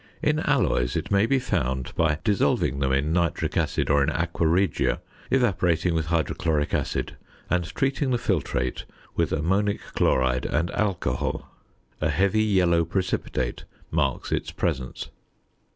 In alloys it may be found by dissolving them in nitric acid or in aqua regia, evaporating with hydrochloric acid, and treating the filtrate with ammonic chloride and alcohol. A heavy yellow precipitate marks its presence.